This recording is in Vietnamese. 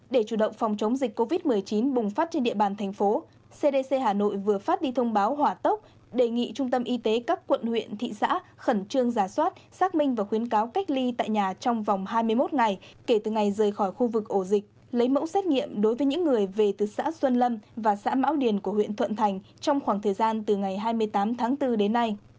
để chủ động phòng chống dịch covid một mươi chín bùng phát trên địa bàn thành phố cdc hà nội vừa phát đi thông báo hỏa tốc đề nghị trung tâm y tế các quận huyện thị xã khẩn trương giả soát xác minh và khuyến cáo cách ly tại nhà trong vòng hai mươi một ngày kể từ ngày rời khỏi khu vực ổ dịch lấy mẫu xét nghiệm đối với những người về từ xã xuân lâm và xã mão điền của huyện thuận thành trong khoảng thời gian từ ngày hai mươi tám tháng bốn đến nay